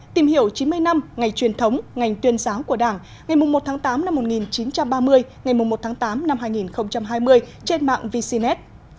tìm hiểu chín mươi năm ngày truyền thống ngành tuyên giáo của đảng ngày một tám một nghìn chín trăm ba mươi ngày một tám hai nghìn hai mươi trên mạng vcnet